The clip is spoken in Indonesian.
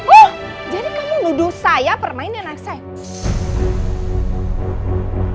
oh jadi kamu nuduh saya permainan asep